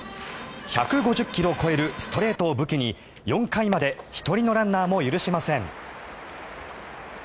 １５０ｋｍを超えるストレートを武器に４回まで１人のランナーも許しません。